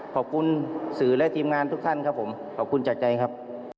ขอบคุณสื่อและทีมงานทุกท่านครับผมขอบคุณจากใจครับ